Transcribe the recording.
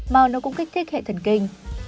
màu nó cũng kích thích hệ thần kinh